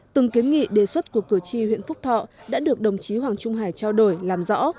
từng kiến nghị đề xuất của cử tri huyện phúc thọ đã được đồng chí hoàng trung hải trao đổi làm rõ